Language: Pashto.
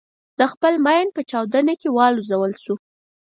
د خپل ماین په چاودنه کې والوزول شو.